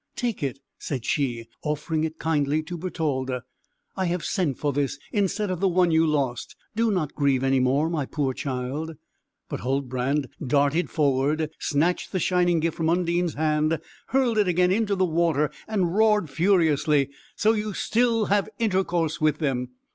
"Take it," said she, offering it kindly to Bertalda; "I have sent for this, instead of the one you lost; do not grieve any more, my poor child." But Huldbrand darted forward, snatched the shining gift from Undine's hand, hurled it again into the water, and roared furiously, "So you still have intercourse with them?